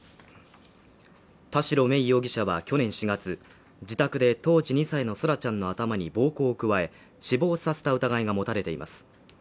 田代芽衣容疑者は去年４月、自宅で当時２歳の空来ちゃんの頭に暴行を加え死亡させた疑いが持たれています。